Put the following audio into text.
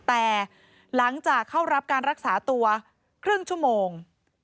แต่หลังจากเข้ารับการรักษาตัวครึ่งชั่วโมง